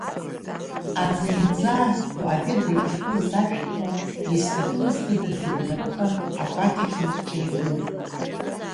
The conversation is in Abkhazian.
Аӡы иӡааҳәҳәо аведра иҭагылаз ашәҭқәа, изҭагылазгьы даргьы днарыхан, акәакь ахь иныкҿаиргылеит.